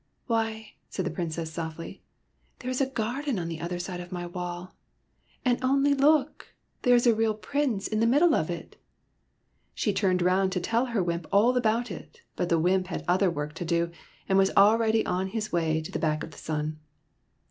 " Why," said the Princess, softly, '' there is a garden on the other side of my wall. And only look, there is a real Prince in the middle of it !'' She turned round to tell her wymp all about it, but the wymp had other work to do and was already on his way to the back of the sun.